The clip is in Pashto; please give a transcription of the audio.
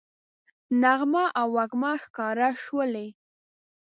نغمه او وږمه ښکاره شولې